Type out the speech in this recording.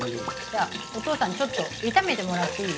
お義父さんにちょっと炒めてもらっていい？